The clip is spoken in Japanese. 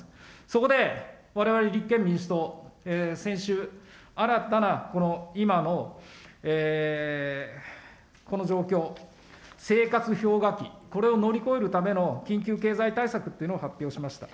そこで、われわれ立憲民主党、先週、新たなこの今のこの状況、生活氷河期、これを乗り越えるための緊急経済対策っていうのを発表しました。